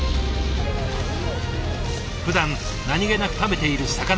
ふだん何気なく食べている魚。